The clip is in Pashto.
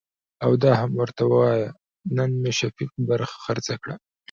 او دا هم ورته وايه نن مې شفيق برخه خرڅه کړه .